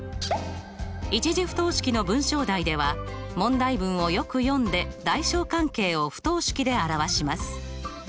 １次不等式の文章題では問題文をよく読んで大小関係を不等式で表します。